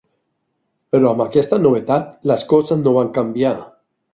Però amb aquesta novetat les coses no van canviar.